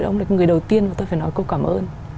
ông ấy là cái người đầu tiên mà tôi phải nói câu cảm ơn